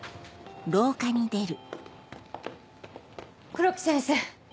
黒木先生。